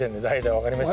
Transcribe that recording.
分かりました？